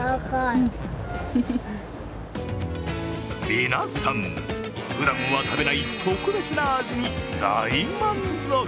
皆さん、ふだんは食べない特別な味に大満足。